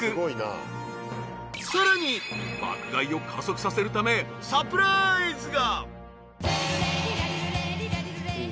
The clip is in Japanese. ［さらに爆買いを加速させるためサプライズが］